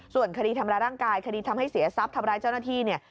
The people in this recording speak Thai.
ส่วนคดีทำร้ายร่างกายคดีทำให้เสียทรัพย์ทำร้ายเจ้าหน้าที่เนี่ย